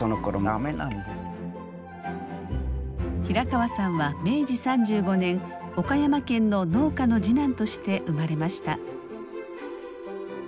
平川さんは明治３５年岡山県の農家の次男として生まれました。